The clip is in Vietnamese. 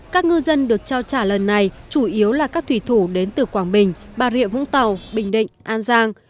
các ngư dân được trao trả lần này chủ yếu là các thủy thủ đến từ quảng bình bà rịa vũng tàu bình định an giang